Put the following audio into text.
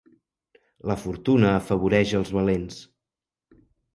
La fortuna afavoreix als valents.